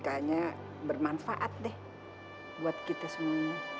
tapi sih kayaknya bermanfaat deh buat kita semua ini